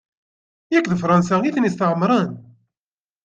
Yak meqqar d Fransa i ten-isetɛemren?